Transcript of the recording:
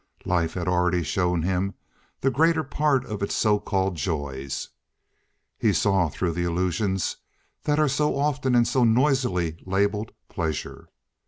Life had already shown him the greater part of its so called joys. He saw through the illusions that are so often and so noisily labeled pleasure.